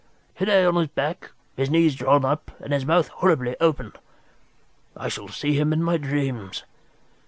He lay on his back, his knees drawn up, and his mouth horribly open. I shall see him in my dreams.